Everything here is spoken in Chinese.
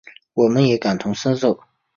我们也感同身受